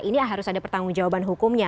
ini harus ada pertanggung jawaban hukumnya